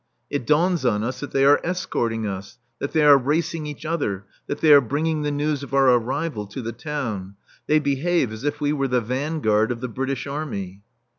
It dawns on us that they are escorting us; that they are racing each other; that they are bringing the news of our arrival to the town. They behave as if we were the vanguard of the British Army.